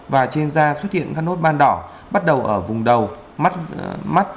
và trên da xuất hiện các nốt ban đỏ bắt đầu ở vùng đầu mắt